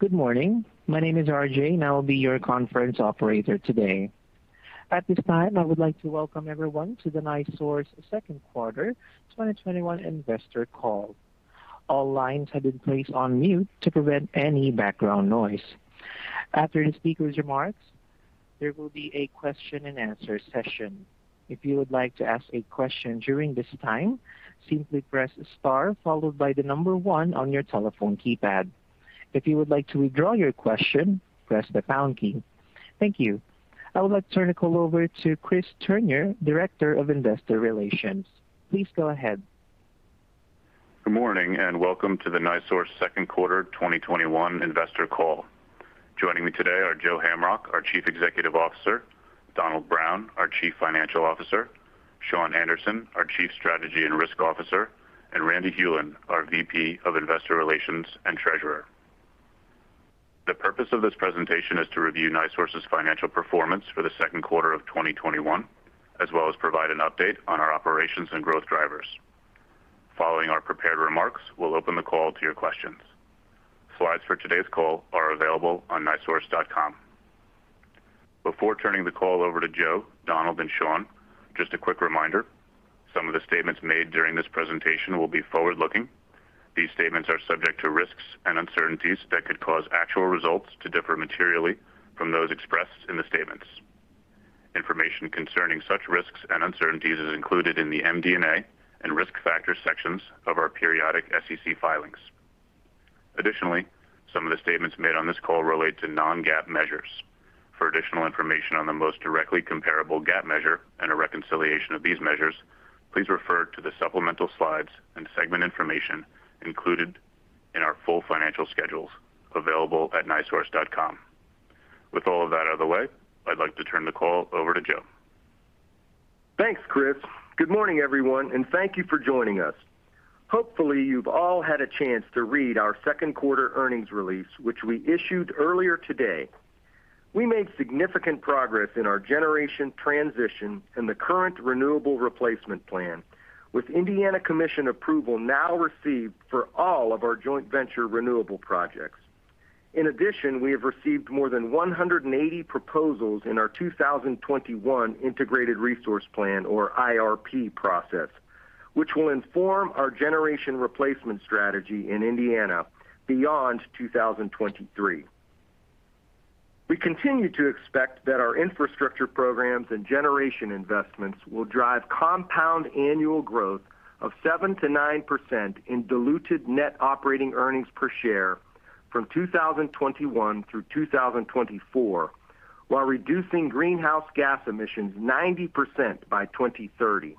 Good morning. My name is RJ. I will be your conference operator today. At this time, I would like to welcome everyone to the NiSource Second Quarter 2021 Investor Call. All lines have been placed on mute to prevent any background noise. After the speaker's remarks, there will be a question-and-answer session. If you would like to ask a question during this time, simply press star followed by the number one on your telephone keypad. If you would like to withdraw your question, press the pound key. Thank you. I would like to turn the call over to Chris Turnure, Director of Investor Relations. Please go ahead. Good morning, welcome to the NiSource Second Quarter 2021 Investor Call. Joining me today are Joe Hamrock, our Chief Executive Officer, Donald Brown, our Chief Financial Officer, Shawn Anderson, our Chief Strategy and Risk Officer, and Randy Hulen, our VP of Investor Relations and Treasurer. The purpose of this presentation is to review NiSource's financial performance for the second quarter of 2021, as well as provide an update on our operations and growth drivers. Following our prepared remarks, we'll open the call to your questions. Slides for today's call are available on nisource.com. Before turning the call over to Joe, Donald, and Shawn, just a quick reminder, some of the statements made during this presentation will be forward-looking. These statements are subject to risks and uncertainties that could cause actual results to differ materially from those expressed in the statements. Information concerning such risks and uncertainties is included in the MD&A and risk factors sections of our periodic SEC filings. Additionally, some of the statements made on this call relate to non-GAAP measures. For additional information on the most directly comparable GAAP measure and a reconciliation of these measures, please refer to the supplemental slides and segment information included in our full financial schedules available at nisource.com. With all of that out of the way, I'd like to turn the call over to Joe. Thanks, Chris Turnure. Good morning, everyone, and thank you for joining us. Hopefully, you've all had a chance to read our second quarter earnings release, which we issued earlier today. We made significant progress in our generation transition and the current renewable replacement plan, with Indiana Commission approval now received for all of our joint venture renewable projects. In addition, we have received more than 180 proposals in our 2021 Integrated Resource Plan, or IRP process, which will inform our generation replacement strategy in Indiana beyond 2023. We continue to expect that our infrastructure programs and generation investments will drive compound annual growth of 7%-9% in diluted net operating earnings per share from 2021 through 2024, while reducing greenhouse gas emissions 90% by 2030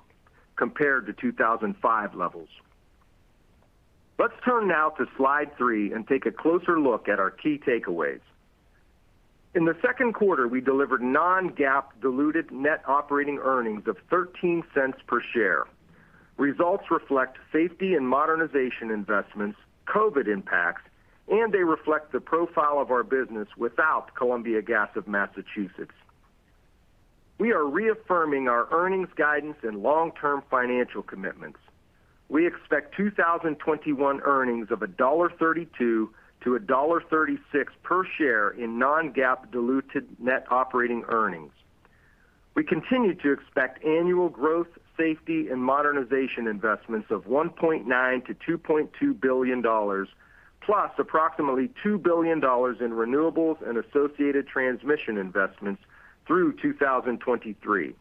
compared to 2005 levels. Let's turn now to slide three and take a closer look at our key takeaways. In the second quarter, we delivered non-GAAP diluted net operating earnings of $0.13 per share. Results reflect safety and modernization investments, COVID impacts, and they reflect the profile of our business without Columbia Gas of Massachusetts. We are reaffirming our earnings guidance and long-term financial commitments. We expect 2021 earnings of $1.32-$1.36 per share in non-GAAP diluted net operating earnings. We continue to expect annual growth, safety, and modernization investments of $1.9 billion-$2.2 billion, plus approximately $2 billion in renewables and associated transmission investments through 2023.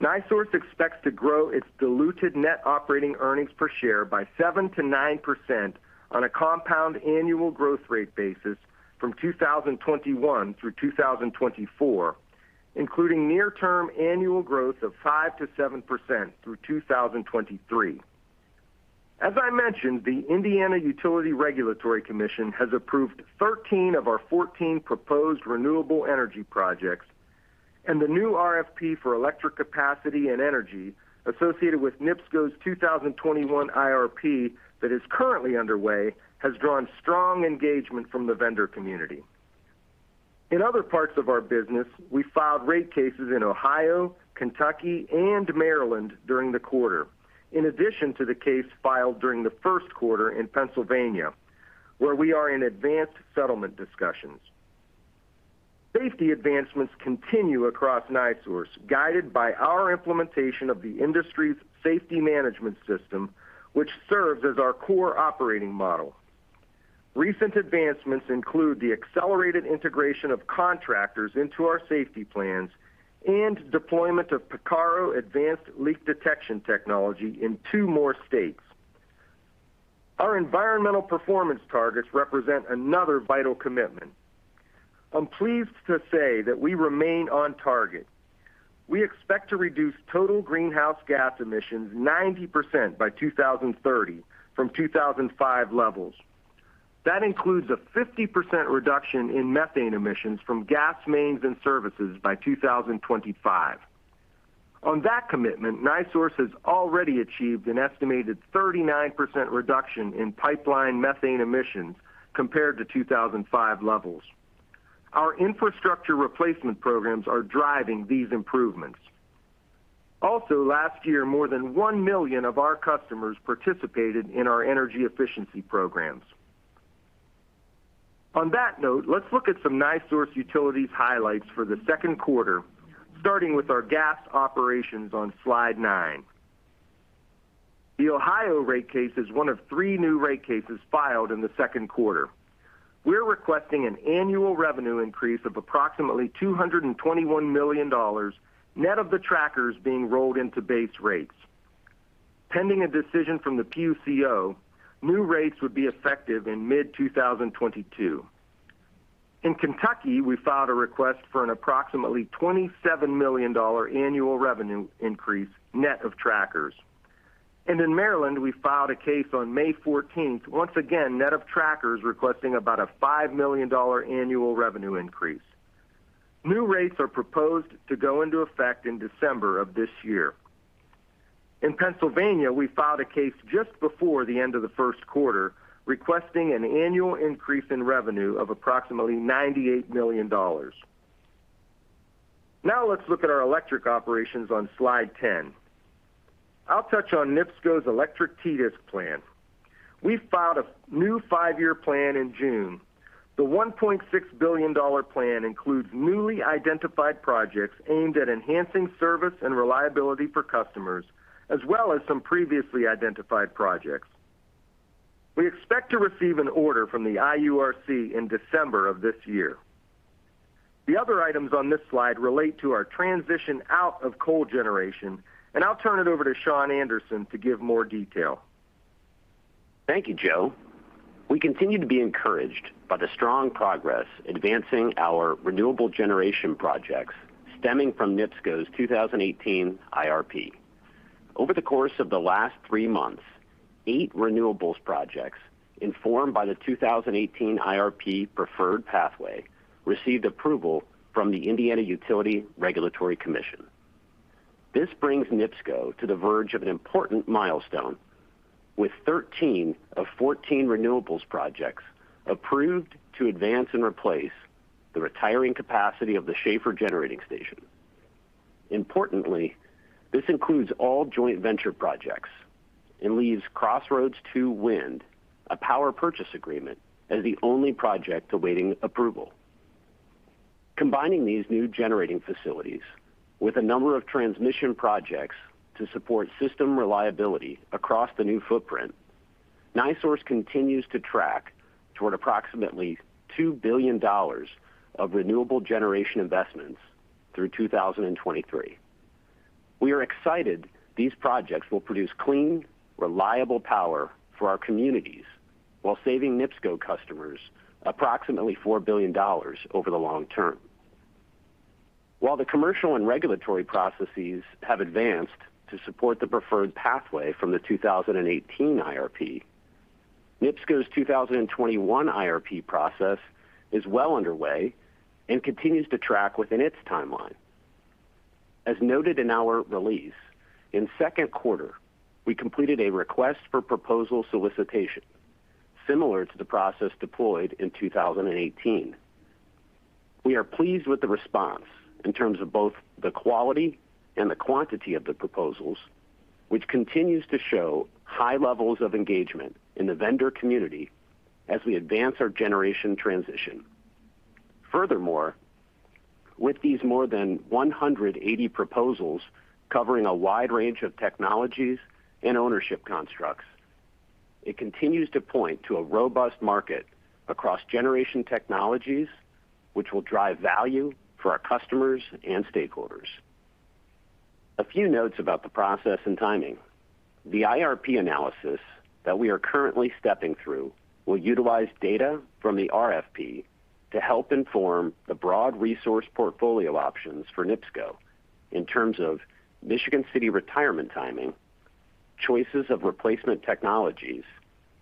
NiSource expects to grow its diluted net operating earnings per share by 7%-9% on a compound annual growth rate basis from 2021 through 2024, including near-term annual growth of 5%-7% through 2023. As I mentioned, the Indiana Utility Regulatory Commission has approved 13 of our 14 proposed renewable energy projects, and the new RFP for electric capacity and energy associated with NIPSCO's 2021 IRP that is currently underway, has drawn strong engagement from the vendor community. In other parts of our business, we filed rate cases in Ohio, Kentucky, and Maryland during the quarter, in addition to the case filed during the first quarter in Pennsylvania, where we are in advanced settlement discussions. Safety advancements continue across NiSource, guided by our implementation of the industry's safety management system, which serves as our core operating model. Recent advancements include the accelerated integration of contractors into our safety plans and deployment of Picarro advanced leak detection technology in two more states. Our environmental performance targets represent another vital commitment. I'm pleased to say that we remain on target. We expect to reduce total greenhouse gas emissions 90% by 2030 from 2005 levels. That includes a 50% reduction in methane emissions from gas mains and services by 2025. On that commitment, NiSource has already achieved an estimated 39% reduction in pipeline methane emissions compared to 2005 levels. Our infrastructure replacement programs are driving these improvements. Also, last year, more than one million of our customers participated in our energy efficiency programs. On that note, let's look at some NiSource utilities highlights for the second quarter, starting with our gas operations on slide nine. The Ohio rate case is one of three new rate cases filed in the second quarter. We're requesting an annual revenue increase of approximately $221 million, net of the trackers being rolled into base rates. Pending a decision from the PUCO, new rates would be effective in mid-2022. In Kentucky, we filed a request for an approximately $27 million annual revenue increase, net of trackers. In Maryland, we filed a case on May 14th, once again, net of trackers, requesting about a $5 million annual revenue increase. New rates are proposed to go into effect in December of this year. In Pennsylvania, we filed a case just before the end of the first quarter, requesting an annual increase in revenue of approximately $98 million. Let's look at our electric operations on Slide 10. I'll touch on NIPSCO's Electric TDISC plan. We filed a new five-year plan in June. The $1.6 billion plan includes newly identified projects aimed at enhancing service and reliability for customers, as well as some previously identified projects. We expect to receive an order from the IURC in December of this year. The other items on this slide relate to our transition out of coal generation, and I'll turn it over to Shawn Anderson to give more detail. Thank you, Joe. We continue to be encouraged by the strong progress advancing our renewable generation projects stemming from NIPSCO's 2018 IRP. Over the course of the last three months, eight renewables projects, informed by the 2018 IRP preferred pathway, received approval from the Indiana Utility Regulatory Commission. This brings NIPSCO to the verge of an important milestone, with 13 of 14 renewables projects approved to advance and replace the retiring capacity of the Schahfer Generating Station. Importantly, this includes all joint venture projects and leaves Crossroads II Wind, a power purchase agreement, as the only project awaiting approval. Combining these new generating facilities with a number of transmission projects to support system reliability across the new footprint, NiSource continues to track toward approximately $2 billion of renewable generation investments through 2023. We are excited these projects will produce clean, reliable power for our communities while saving NIPSCO customers approximately $4 billion over the long term. While the commercial and regulatory processes have advanced to support the preferred pathway from the 2018 IRP, NIPSCO's 2021 IRP process is well underway and continues to track within its timeline. As noted in our release, in second quarter, we completed a request for proposal solicitation, similar to the process deployed in 2018. We are pleased with the response in terms of both the quality and the quantity of the proposals, which continues to show high levels of engagement in the vendor community as we advance our generation transition. Furthermore, with these more than 180 proposals covering a wide range of technologies and ownership constructs, it continues to point to a robust market across generation technologies, which will drive value for our customers and stakeholders. A few notes about the process and timing. The IRP analysis that we are currently stepping through will utilize data from the RFP to help inform the broad resource portfolio options for NIPSCO in terms of Michigan City retirement timing, choices of replacement technologies,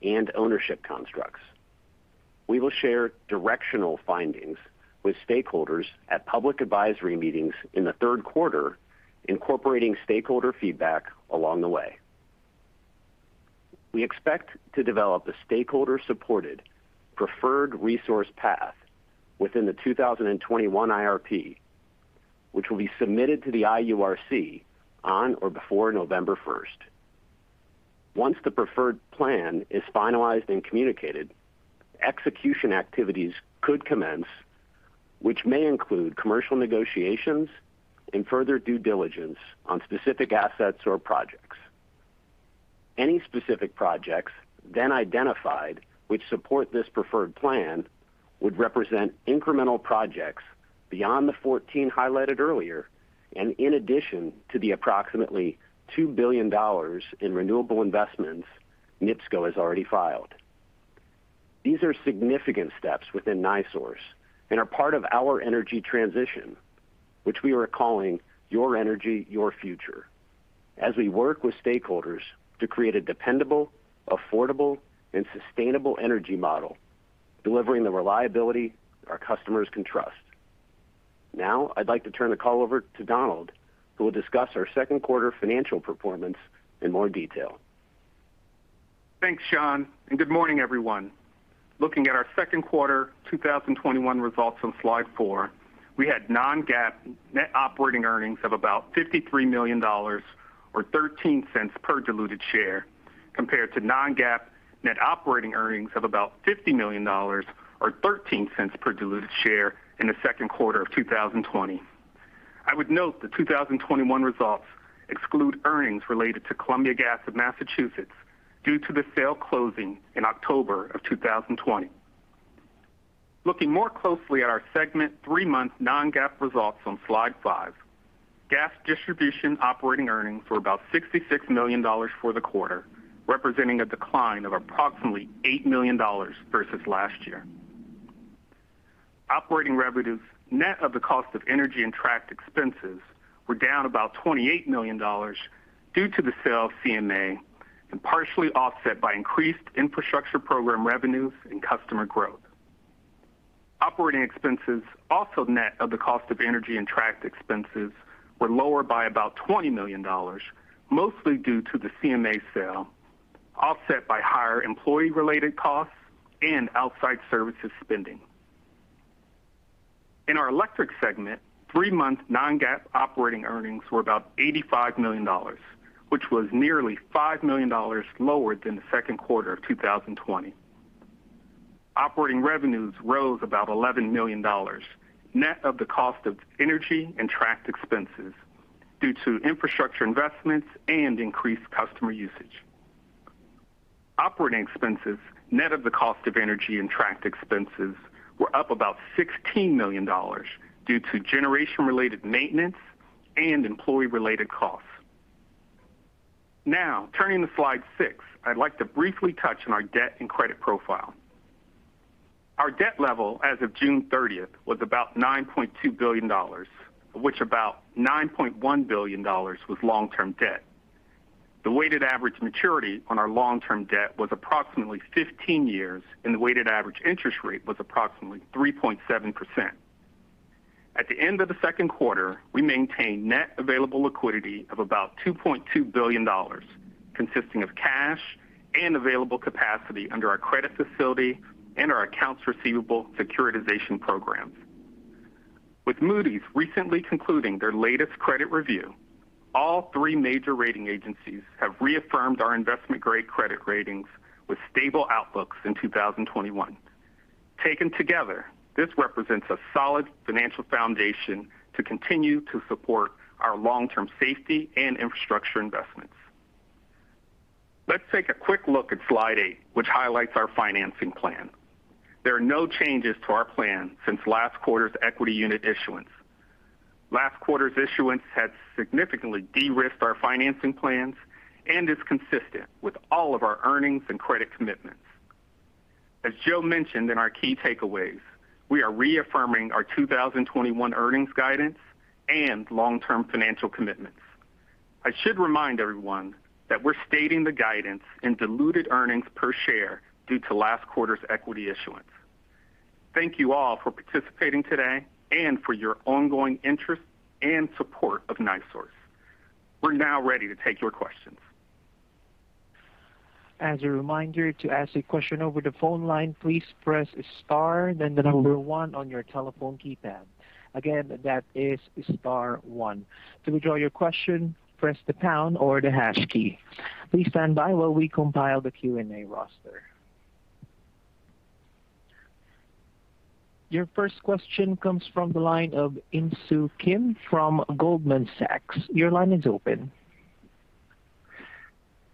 and ownership constructs. We will share directional findings with stakeholders at public advisory meetings in the third quarter, incorporating stakeholder feedback along the way. We expect to develop a stakeholder-supported preferred resource path within the 2021 IRP, which will be submitted to the IURC on or before November 1st. Once the preferred plan is finalized and communicated, execution activities could commence, which may include commercial negotiations and further due diligence on specific assets or projects. Any specific projects then identified which support this preferred plan would represent incremental projects beyond the 14 highlighted earlier, and in addition to the approximately $2 billion in renewable investments NIPSCO has already filed. These are significant steps within NiSource and are part of our energy transition, which we are calling Your Energy, Your Future, as we work with stakeholders to create a dependable, affordable, and sustainable energy model, delivering the reliability our customers can trust. I'd like to turn the call over to Donald, who will discuss our second quarter financial performance in more detail. Thanks, Shawn, and good morning, everyone. Looking at our second quarter 2021 results on slide four, we had non-GAAP net operating earnings of about $53 million or $0.13 per diluted share, compared to non-GAAP net operating earnings of about $50 million or $0.13 per diluted share in the second quarter of 2020. I would note the 2021 results exclude earnings related to Columbia Gas of Massachusetts due to the sale closing in October of 2020. Looking more closely at our segment, three-month non-GAAP results on slide five. Gas distribution operating earnings were about $66 million for the quarter, representing a decline of approximately $8 million versus last year. Operating revenues, net of the cost of energy and tracked expenses, were down about $28 million due to the sale of CMA and partially offset by increased infrastructure program revenues and customer growth. Operating expenses, also net of the cost of energy and tracked expenses, were lower by about $20 million, mostly due to the CMA sale, offset by higher employee-related costs and outside services spending. In our electric segment, three-month non-GAAP operating earnings were about $85 million, which was nearly $5 million lower than the second quarter of 2020. Operating revenues rose about $11 million, net of the cost of energy and tracked expenses due to infrastructure investments and increased customer usage. Operating expenses, net of the cost of energy and tracked expenses, were up about $16 million due to generation-related maintenance and employee-related costs. Now, turning to slide six, I'd like to briefly touch on our debt and credit profile. Our debt level as of June 30th was about $9.2 billion, of which about $9.1 billion was long-term debt. The weighted average maturity on our long-term debt was approximately 15 years, and the weighted average interest rate was approximately 3.7%. At the end of the second quarter, we maintained net available liquidity of about $2.2 billion, consisting of cash and available capacity under our credit facility and our accounts receivable securitization programs. With Moody's recently concluding their latest credit review, all three major rating agencies have reaffirmed our investment-grade credit ratings with stable outlooks in 2021. Taken together, this represents a solid financial foundation to continue to support our long-term safety and infrastructure investments. Let's take a quick look at slide eight, which highlights our financing plan. There are no changes to our plan since last quarter's equity unit issuance. Last quarter's issuance has significantly de-risked our financing plans and is consistent with all of our earnings and credit commitments. As Joe Hamrock mentioned in our key takeaways, we are reaffirming our 2021 earnings guidance and long-term financial commitments. I should remind everyone that we're stating the guidance in diluted earnings per share due to last quarter's equity issuance. Thank you all for participating today and for your ongoing interest and support of NiSource. We're now ready to take your questions. Your first question comes from the line of Insoo Kim from Goldman Sachs. Your line is open.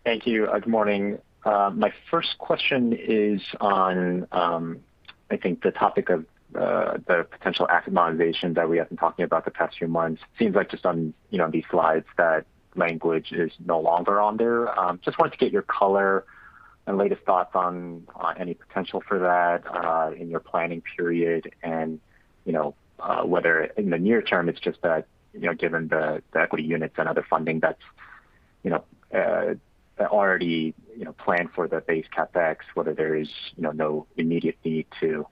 Thank you. Good morning. My first question is on, I think, the topic of the potential asset monetization that we have been talking about the past few months. Seems like just on these slides, that language is no longer on there. Just wanted to get your color and latest thoughts on any potential for that in your planning period and, whether in the near term, it's just that, given the equity units and other funding that's already planned for the base CapEx, whether there is no immediate need to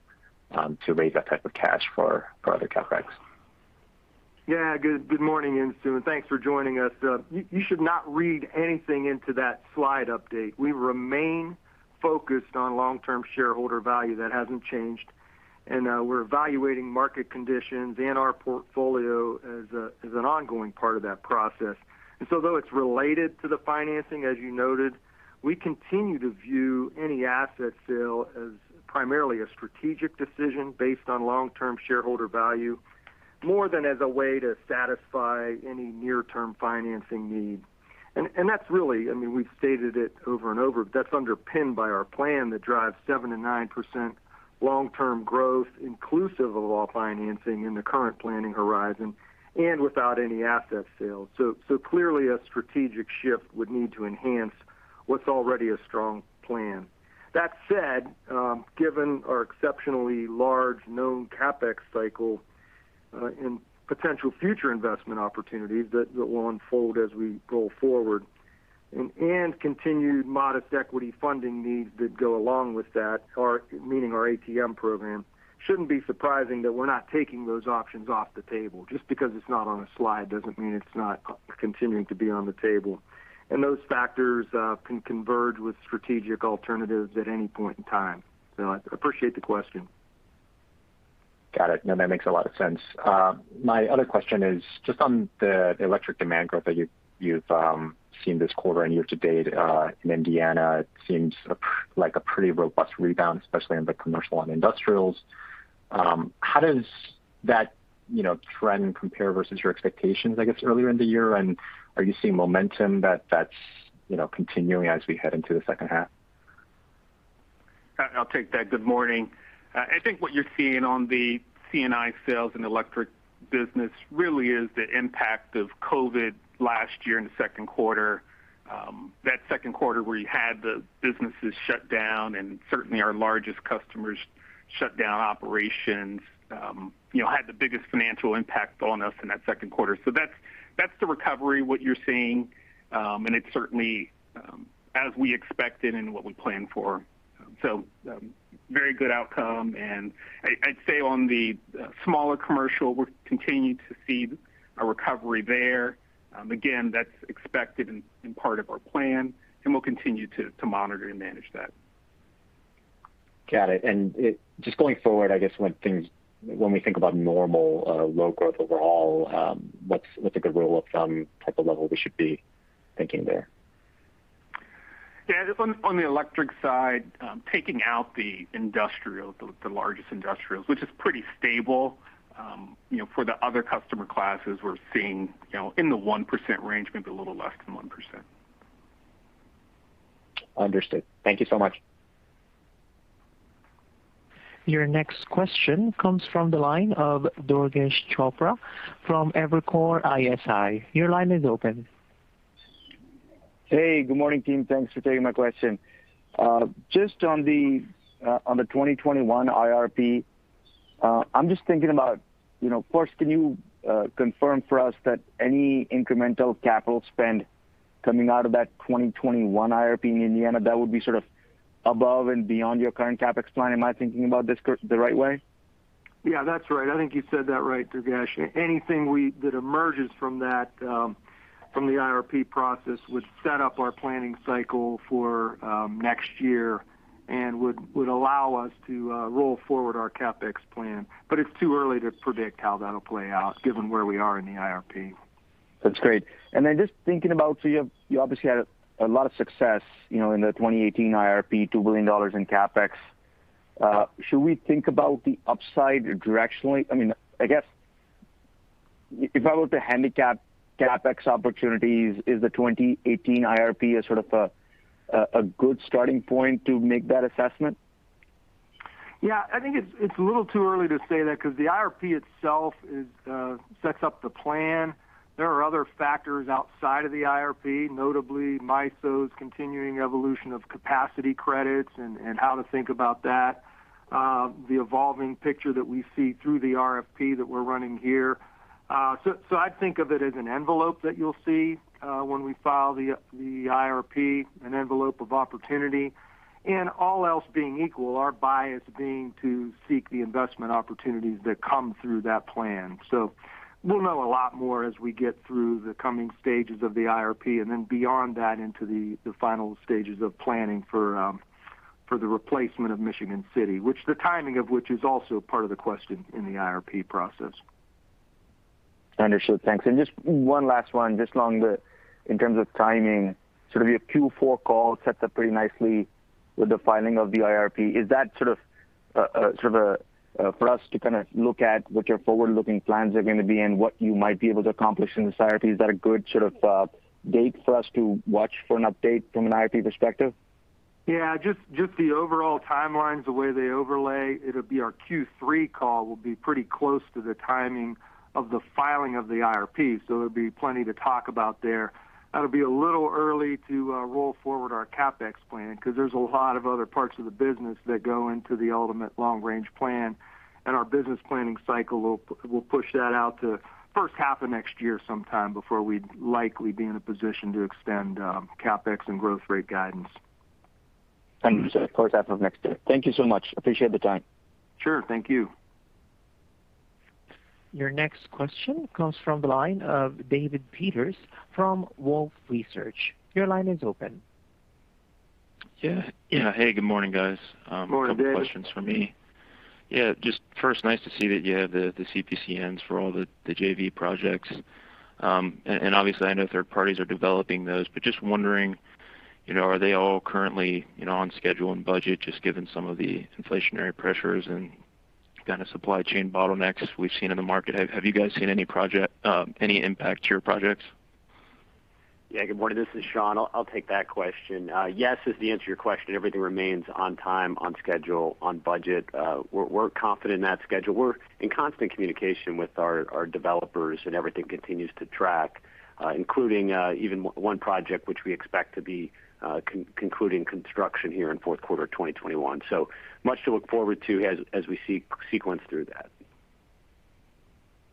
raise that type of cash for other CapEx. Good morning, Insoo, thanks for joining us. You should not read anything into that slide update. We remain focused on long-term shareholder value. That hasn't changed. We're evaluating market conditions and our portfolio as an ongoing part of that process. Though it's related to the financing, as you noted, we continue to view any asset sale as primarily a strategic decision based on long-term shareholder value, more than as a way to satisfy any near-term financing need. We've stated it over and over, but that's underpinned by our plan to drive 7%-9% long-term growth, inclusive of all financing in the current planning horizon and without any asset sales. Clearly, a strategic shift would need to enhance what's already a strong plan. That said, given our exceptionally large known CapEx cycle, and potential future investment opportunities that will unfold as we go forward, and continued modest equity funding needs that go along with that, meaning our ATM program, shouldn't be surprising that we're not taking those options off the table. Just because it's not on a slide doesn't mean it's not continuing to be on the table. Those factors can converge with strategic alternatives at any point in time. I appreciate the question. Got it. No, that makes a lot of sense. My other question is just on the electric demand growth that you've seen this quarter and year to date in Indiana. It seems like a pretty robust rebound, especially in the commercial and industrials. How does that trend compare versus your expectations, I guess, earlier in the year? Are you seeing momentum that's continuing as we head into the second half? I'll take that. Good morning. I think what you're seeing on the C&I sales and electric business really is the impact of COVID last year in the second quarter. That second quarter where you had the businesses shut down, and certainly our largest customers shut down operations, had the biggest financial impact on us in that second quarter. That's the recovery, what you're seeing, and it's certainly as we expected and what we planned for. Very good outcome, and I'd say on the smaller commercial, we're continuing to see a recovery there. Again, that's expected and part of our plan, and we'll continue to monitor and manage that. Got it. Just going forward, I guess, when we think about normal, low growth overall, what's a good rule of thumb type of level we should be thinking there? Yeah, just on the electric side, taking out the largest industrials, which is pretty stable. For the other customer classes, we're seeing in the 1% range, maybe a little less than 1%. Understood. Thank you so much. Your next question comes from the line of Durgesh Chopra from Evercore ISI. Your line is open. Hey, good morning, team. Thanks for taking my question. Just on the 2021 IRP, I'm just thinking about, first, can you confirm for us that any incremental capital spend coming out of that 2021 IRP in Indiana, that would be sort of above and beyond your current CapEx plan? Am I thinking about this the right way? Yeah, that's right. I think you said that right, Durgesh. Anything that emerges from the IRP process would set up our planning cycle for next year and would allow us to roll forward our CapEx plan. It's too early to predict how that'll play out given where we are in the IRP. That's great. Just thinking about, you obviously had a lot of success in the 2018 IRP, $2 billion in CapEx. Should we think about the upside directionally? I guess if I were to handicap CapEx opportunities, is the 2018 IRP a sort of a good starting point to make that assessment? Yeah, I think it's a little too early to say that because the IRP itself sets up the plan. There are other factors outside of the IRP, notably MISO's continuing evolution of capacity credits and how to think about that, the evolving picture that we see through the RFP that we're running here. I think of it as an envelope that you'll see when we file the IRP, an envelope of opportunity. All else being equal, our bias being to seek the investment opportunities that come through that plan. We'll know a lot more as we get through the coming stages of the IRP, and then beyond that, into the final stages of planning for the replacement of Michigan City, which the timing of which is also part of the question in the IRP process. Understood. Thanks. Just one last one, just in terms of timing, sort of your Q4 call set up pretty nicely with the filing of the IRP. Is that sort of for us to kind of look at what your forward-looking plans are going to be and what you might be able to accomplish in this IRP? Is that a good sort of date for us to watch for an update from an IRP perspective? Yeah, just the overall timelines, the way they overlay, it will be our Q3 call will be pretty close to the timing of the filing of the IRP. There will be plenty to talk about there. That will be a little early to roll forward our CapEx plan because there is a lot of other parts of the business that go into the ultimate long-range plan, and our business planning cycle will push that out to first half of next year sometime before we would likely be in a position to extend CapEx and growth rate guidance. Understood. First half of next year. Thank you so much. Appreciate the time. Sure. Thank you. Your next question comes from the line of David Peters from Wolfe Research. Yeah. Hey, good morning, guys. Morning, David. A couple questions from me. Yeah, just first, nice to see that you have the CPCNs for all the JV projects. Obviously I know third parties are developing those, but just wondering, are they all currently on schedule and budget, just given some of the inflationary pressures and kind of supply chain bottlenecks we've seen in the market? Have you guys seen any impact to your projects? Yeah, good morning. This is Shawn. I'll take that question. Yes is the answer to your question. Everything remains on time, on schedule, on budget. We're confident in that schedule. We're in constant communication with our developers, everything continues to track, including even one project which we expect to be concluding construction here in fourth quarter of 2021. Much to look forward to as we sequence through that.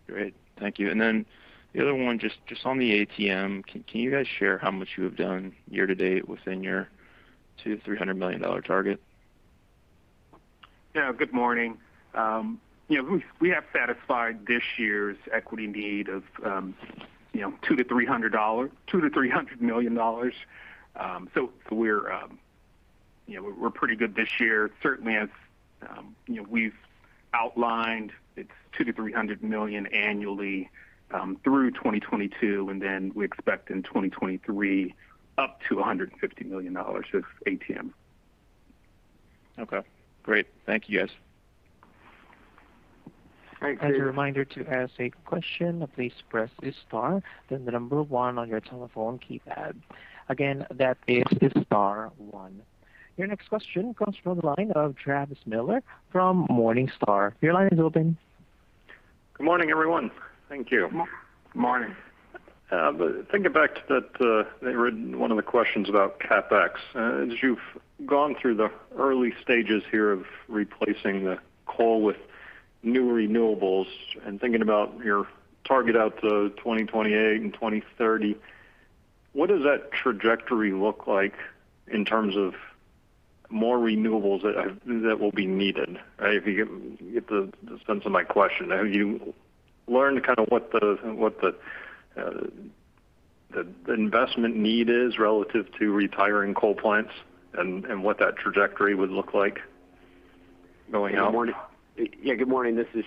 Great. Thank you. The other one, just on the ATM, can you guys share how much you have done year to date within your $200 million-$300 million target? Yeah. Good morning. We have satisfied this year's equity need of $200 million-$300 million. We're pretty good this year. Certainly, as we've outlined, it's $200 million-$300 million annually through 2022, and then we expect in 2023, up to $150 million of ATM. Okay, great. Thank you, guys. All right, great. As a reminder, to ask a question, please press star, then the number one on your telephone keypad. Again, that is star one. Your next question comes from the line of Travis Miller from Morningstar. Your line is open. Good morning, everyone. Thank you. Good morning. Thinking back to that, one of the questions about CapEx. As you've gone through the early stages here of replacing the coal with new renewables and thinking about your target out to 2028 and 2030, what does that trajectory look like in terms of more renewables that will be needed? If you get the sense of my question. Have you learned what the investment need is relative to retiring coal plants, and what that trajectory would look like going out? Good morning. This is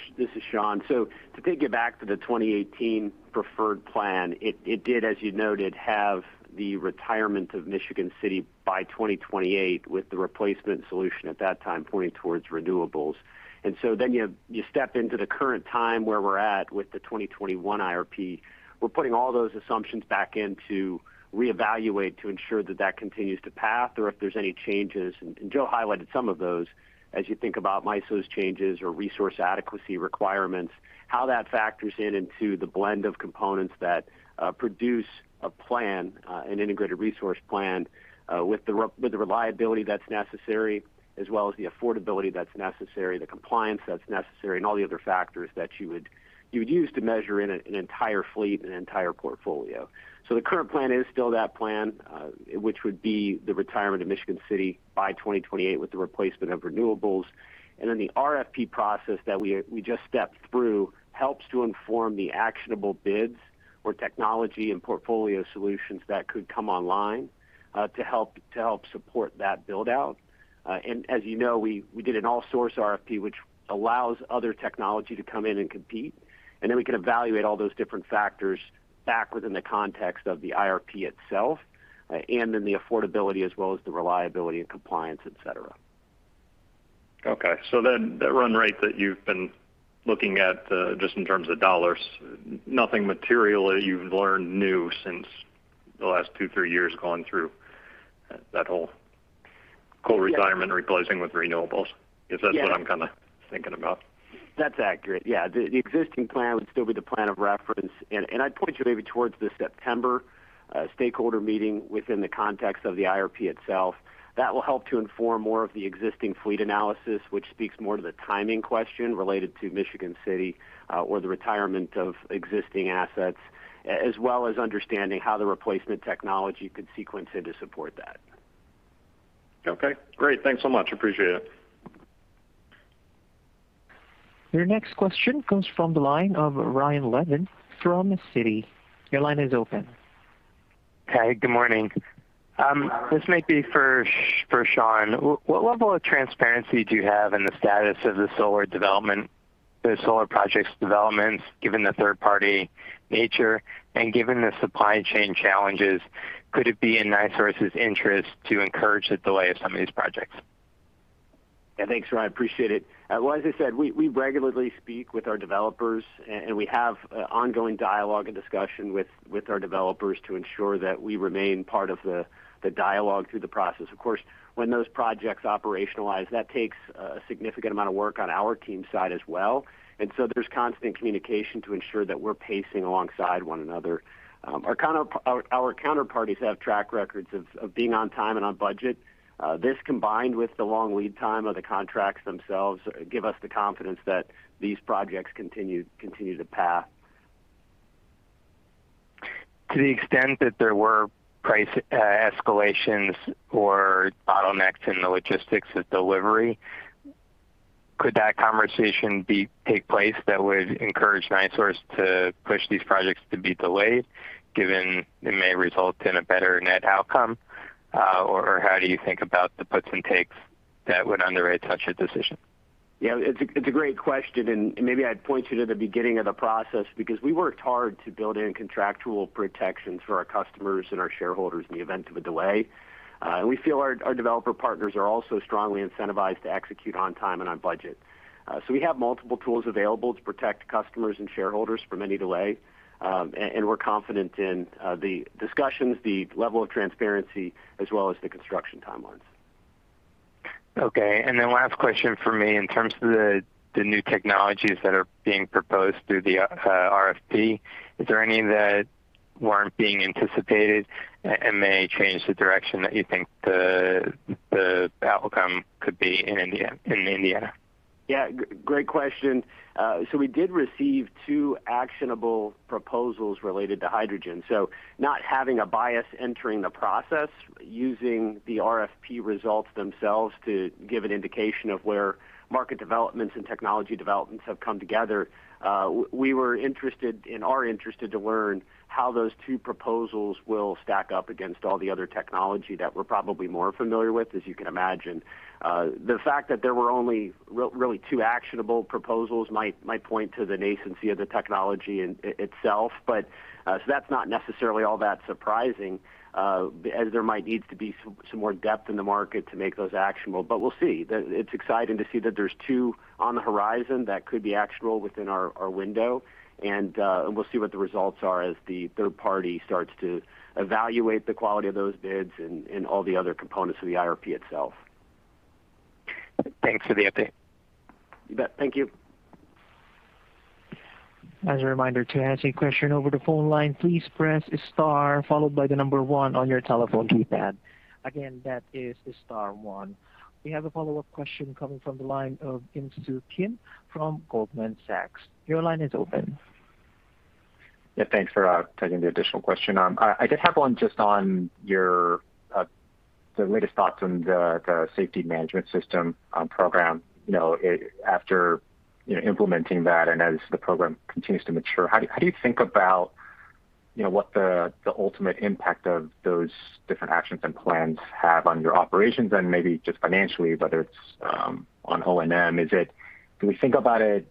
Shawn. To take it back to the 2018 preferred plan, it did, as you noted, have the retirement of Michigan City by 2028 with the replacement solution at that time pointing towards renewables. Then you step into the current time where we're at with the 2021 IRP. We're putting all those assumptions back in to reevaluate to ensure that that continues to pass or if there's any changes. Joe highlighted some of those as you think about MISO's changes or resource adequacy requirements, how that factors in into the blend of components that produce a plan, an integrated resource plan, with the reliability that's necessary as well as the affordability that's necessary, the compliance that's necessary, and all the other factors that you would use to measure in an entire fleet and an entire portfolio. The current plan is still that plan, which would be the retirement of Michigan City by 2028 with the replacement of renewables. The RFP process that we just stepped through helps to inform the actionable bids or technology and portfolio solutions that could come online to help support that build-out. As you know, we did an all source RFP, which allows other technology to come in and compete, and we can evaluate all those different factors back within the context of the IRP itself and in the affordability as well as the reliability and compliance, et cetera. Okay. That run rate that you've been looking at, just in terms of dollars, nothing material that you've learned new since the last two, three years going through that whole coal retirement replacing with renewables? Yeah. Is that what I'm kind of thinking about? That's accurate. Yeah. The existing plan would still be the plan of reference. I'd point you maybe towards the September stakeholder meeting within the context of the IRP itself. That will help to inform more of the existing fleet analysis, which speaks more to the timing question related to Michigan City or the retirement of existing assets, as well as understanding how the replacement technology could sequence in to support that. Okay, great. Thanks so much. Appreciate it. Your next question comes from the line of Ryan Levine from Citi. Your line is open. Hey, good morning. This might be for Shawn. What level of transparency do you have in the status of the solar projects developments, given the third-party nature and given the supply chain challenges? Could it be in NiSource's interest to encourage the delay of some of these projects? Yeah, thanks, Ryan. Appreciate it. Well, as I said, we regularly speak with our developers, and we have ongoing dialogue and discussion with our developers to ensure that we remain part of the dialogue through the process. Of course, when those projects operationalize, that takes a significant amount of work on our team side as well, and so there's constant communication to ensure that we're pacing alongside one another. Our counterparties have track records of being on time and on budget. This, combined with the long lead time of the contracts themselves, give us the confidence that these projects continue to pass. To the extent that there were price escalations or bottlenecks in the logistics of delivery, could that conversation take place that would encourage NiSource to push these projects to be delayed, given it may result in a better net outcome? How do you think about the puts and takes that would underwrite such a decision? Yeah, it's a great question. Maybe I'd point you to the beginning of the process, because we worked hard to build in contractual protections for our customers and our shareholders in the event of a delay. We feel our developer partners are also strongly incentivized to execute on time and on budget. We have multiple tools available to protect customers and shareholders from any delay, and we're confident in the discussions, the level of transparency, as well as the construction timelines. Last question from me. In terms of the new technologies that are being proposed through the RFP, is there any that weren't being anticipated and may change the direction that you think the outcome could be in Indiana? Great question. We did receive two actionable proposals related to hydrogen. Not having a bias entering the process, using the RFP results themselves to give an indication of where market developments and technology developments have come together. We were interested, and are interested, to learn how those two proposals will stack up against all the other technology that we're probably more familiar with, as you can imagine. The fact that there were only really two actionable proposals might point to the nascency of the technology in itself. That's not necessarily all that surprising, as there might need to be some more depth in the market to make those actionable. We'll see. It's exciting to see that there's two on the horizon that could be actionable within our window, and we'll see what the results are as the third party starts to evaluate the quality of those bids and all the other components of the IRP itself. Thanks for the update. You bet. Thank you. As a reminder, to ask a question over the phone line, please press star followed by the number one on your telephone keypad. Again, that is star one. We have a follow-up question coming from the line of Insoo Kim from Goldman Sachs. Your line is open. Thanks for taking the additional question. I did have one just on your latest thoughts on the safety management system program. After implementing that and as the program continues to mature, how do you think about what the ultimate impact of those different actions and plans have on your operations and maybe just financially, whether it's on O&M? Do we think about it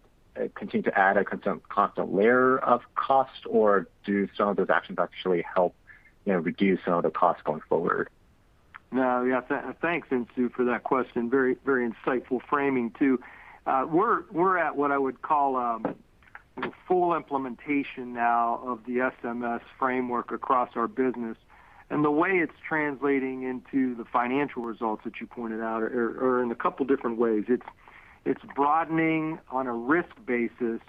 continuing to add a constant layer of cost or do some of those actions actually help reduce some of the costs going forward? Yeah. Thanks, Insoo, for that question. Very insightful framing, too. We're at what I would call full implementation now of the SMS framework across our business. The way it's translating into the financial results that you pointed out are in a couple different ways. It's broadening, on a risk basis,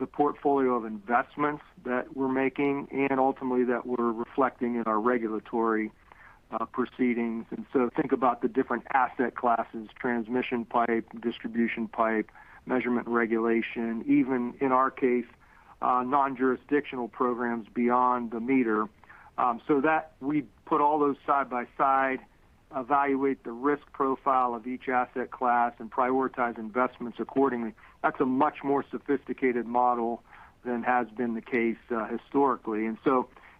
the portfolio of investments that we're making and ultimately that we're reflecting in our regulatory proceedings. Think about the different asset classes, transmission pipe, distribution pipe, measurement regulation, even in our case, non-jurisdictional programs beyond the meter. That we put all those side by side, evaluate the risk profile of each asset class, and prioritize investments accordingly. That's a much more sophisticated model than has been the case historically.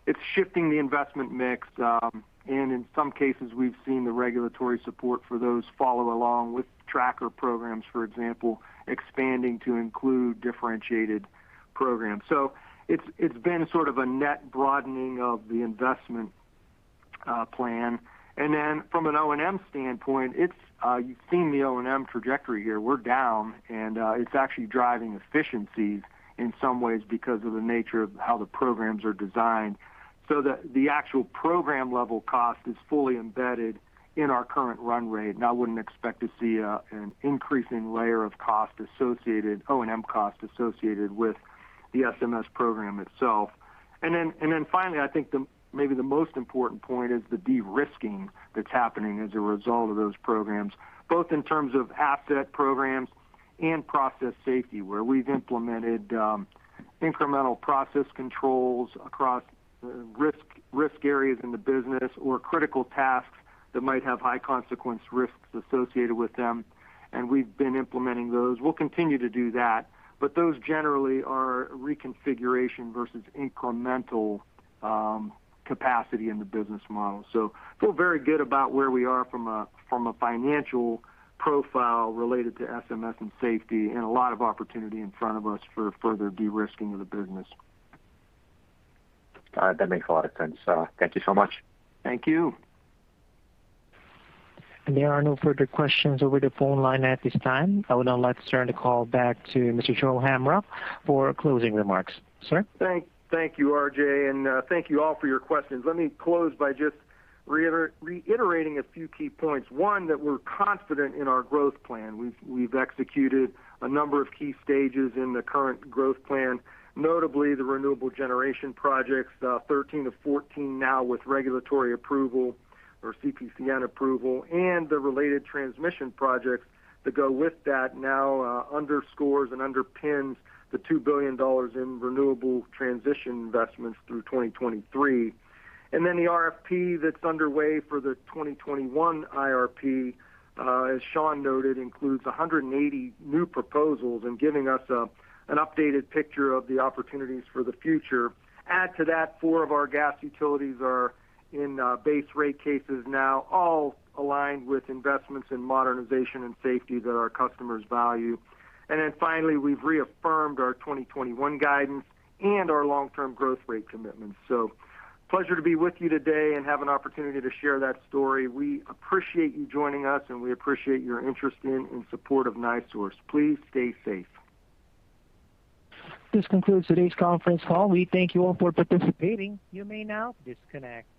It's shifting the investment mix. In some cases, we've seen the regulatory support for those follow along with tracker programs, for example, expanding to include differentiated programs. It's been sort of a net broadening of the investment plan. Then from an O&M standpoint, you've seen the O&M trajectory here. We're down, and it's actually driving efficiencies in some ways because of the nature of how the programs are designed, so that the actual program-level cost is fully embedded in our current run rate. I wouldn't expect to see an increasing layer of O&M cost associated with the SMS program itself. Finally, I think maybe the most important point is the de-risking that's happening as a result of those programs, both in terms of asset programs and process safety, where we've implemented incremental process controls across risk areas in the business or critical tasks that might have high-consequence risks associated with them. We've been implementing those. We'll continue to do that, but those generally are reconfiguration versus incremental capacity in the business model. Feel very good about where we are from a financial profile related to SMS and safety, and a lot of opportunity in front of us for further de-risking of the business. That makes a lot of sense. Thank you so much. Thank you. There are no further questions over the phone line at this time. I would now like to turn the call back to Mr. Joe Hamrock for closing remarks. Sir? Thank you, RJ, and thank you all for your questions. Let me close by just reiterating a few key points. One, that we're confident in our growth plan. We've executed a number of key stages in the current growth plan, notably the renewable generation projects, 13 of 14 now with regulatory approval or CPCN approval, and the related transmission projects that go with that now underscores and underpins the $2 billion in renewable transition investments through 2023. The RFP that's underway for the 2021 IRP, as Shawn noted, includes 180 new proposals and giving us an updated picture of the opportunities for the future. Add to that, four of our gas utilities are in base rate cases now, all aligned with investments in modernization and safety that our customers value. Finally, we've reaffirmed our 2021 guidance and our long-term growth rate commitments. Pleasure to be with you today and have an opportunity to share that story. We appreciate you joining us, and we appreciate your interest in and support of NiSource. Please stay safe. This concludes today's conference call. We thank you all for participating. You may now disconnect.